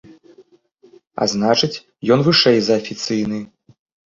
А значыць, ён вышэй за афіцыйны.